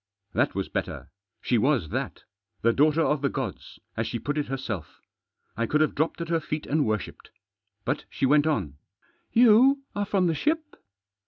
That was better. She was that. The daughter of the gods — as she put it herself. I could have dropped at her feet and worshipped. But she went on :" You are from the ship